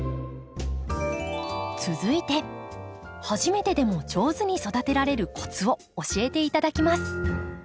続いて初めてでも上手に育てられるコツを教えて頂きます。